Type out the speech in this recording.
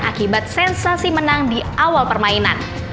akibat sensasi menang di awal permainan